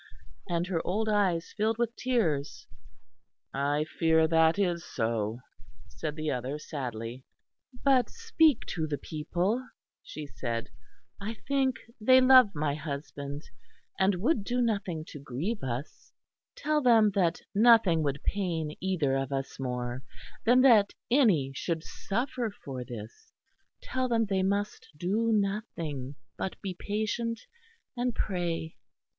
And her old eyes filled with tears. "I fear that is so," said the other sadly. "But speak to the people," she said, "I think they love my husband, and would do nothing to grieve us; tell them that nothing would pain either of us more than that any should suffer for this. Tell them they must do nothing, but be patient and pray."